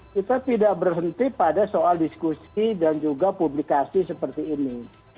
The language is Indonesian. kita tidak berhenti pada soal diskusi dan juga publikasi seperti ini